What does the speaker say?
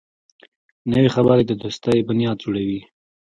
نوې خبرې د دوستۍ بنیاد جوړوي